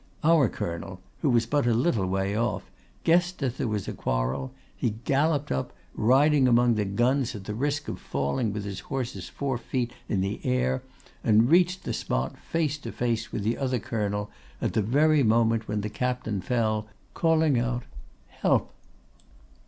Our Colonel, who was but a little way off, guessed that there was a quarrel; he galloped up, riding among the guns at the risk of falling with his horse's four feet in the air, and reached the spot, face to face with the other colonel, at the very moment when the captain fell, calling out 'Help!